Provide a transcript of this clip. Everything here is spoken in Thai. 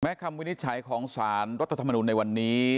คำวินิจฉัยของสารรัฐธรรมนุนในวันนี้